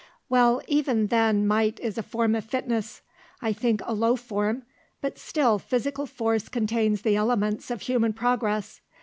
"Well, even then might is a form of fitness; I think a low form, but still physical force contains the elements of human progress.